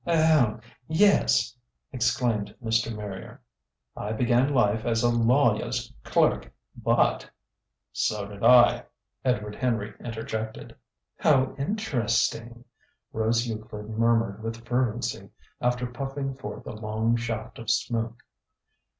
"Eho, yes!" exclaimed Mr. Marrier. "I began life as a lawyah's clerk, but " "So did I," Edward Henry interjected. "How interesting!" Rose Euclid murmured with fervency, after puffing forth a long shaft of smoke.